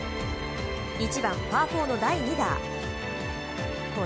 １番、パー４の第２打。